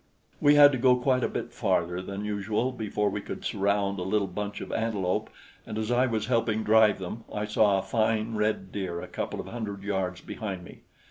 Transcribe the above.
We had to go quite a bit farther than usual before we could surround a little bunch of antelope, and as I was helping drive them, I saw a fine red deer a couple of hundred yards behind me.